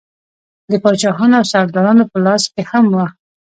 د پاچاهانو او سردارانو په لاس کې هم وه.